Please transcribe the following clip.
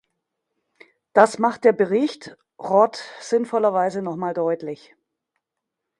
Das macht der Bericht Rod sinnvollerweise noch einmal deutlich.